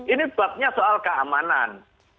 ini sebabnya soal keamanan